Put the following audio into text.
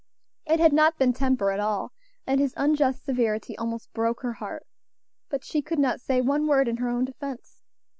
It had not been temper at all, and his unjust severity almost broke her heart; but she could not say one word in her own defence.